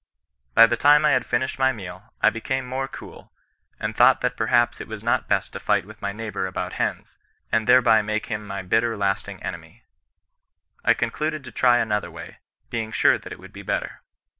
By the time J had finished my meal, I became more cool, and thought that perhaps it was not best to fight with my neighbour about hens, and thereby make him my bitter, lasting enemy. I concluded to try another way, being sure that it would be better.